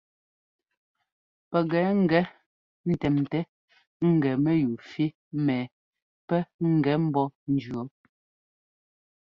Pɛkɛ ŋ́gɛ ńtɛmtɛ́ ŋ́gɛ mɛyúu fí mɛ pɛ́ ŋ́gɛ ḿbɔ́ ńjʉɔ.